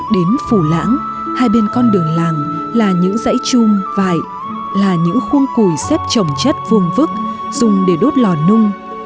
đến phủ lãng hai bên con đường làng là những dãy chung vại là những khuôn cùi xếp trồng chất vuông vứt dùng để đốt lò nung